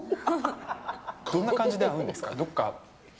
どんな感じで会うんですか？